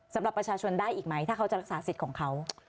สำหรับประชาชนได้อีกไหมถ้าเขาจะรักษาสิทธิ์ของเขา